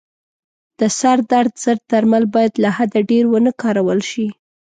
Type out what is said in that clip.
د سردرد ضد درمل باید له حده ډېر و نه کارول شي.